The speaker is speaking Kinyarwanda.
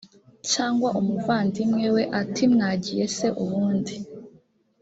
cyangwa umuvandimwe we atimwagiye se ubundi